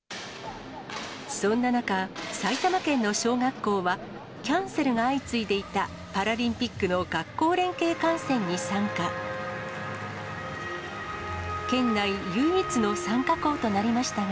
そんな中、埼玉県の小学校は、キャンセルが相次いでいたパラリンピックの学校連携観戦に参加。